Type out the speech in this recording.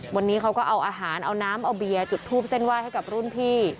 วันนี้เขาก็เอาอาหารเอาน้ำเอาเบียร์จุดทูปเส้นไห้ให้กับรุ่นพี่